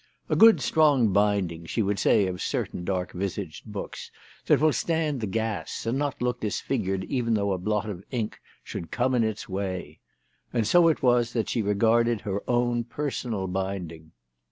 "A good strong binding," she would say of certain dark visaged books, " that will stand the gas, and not look disfigured even though a blot of ink should come in its way." And so it was that she regarded her own personal binding.